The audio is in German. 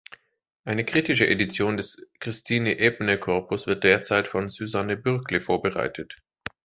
Eine kritische Edition des Christine-Ebner-Corpus wird derzeit von Susanne Bürkle vorbereitet.